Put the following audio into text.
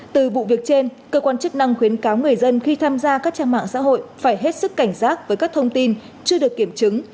từ vụ việc trên cơ quan chức năng khuyến cáo người dân khi tham gia các trang mạng xã hội phải hết sức cảnh giác với các thông tin chưa được kiểm chứng